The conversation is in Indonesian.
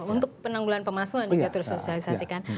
untuk penanggulangan pemalsuan juga terus sosialisasikan